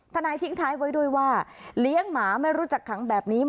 นายทิ้งท้ายไว้ด้วยว่าเลี้ยงหมาไม่รู้จักขังแบบนี้